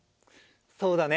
そうだね。